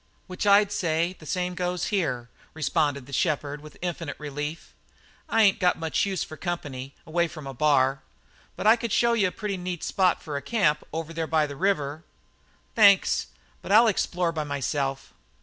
"Which I'd say, the same goes here," responded the shepherd with infinite relief, "I ain't got much use for company away from a bar. But I could show you a pretty neat spot for a camp, over there by the river." "Thanks, but I'll explore for myself."